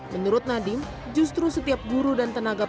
menurut nadiem justru setiap guru dan tenaga